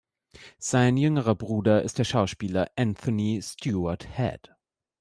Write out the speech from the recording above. Sein jüngerer Bruder ist der Schauspieler Anthony Stewart Head.